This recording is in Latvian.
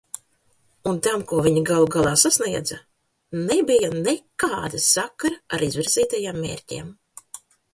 Un tam, ko viņi galu galā sasniedza, nebija nekāda sakara ar izvirzītajiem mērķiem.